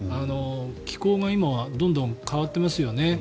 気候が今どんどん変わってますよね。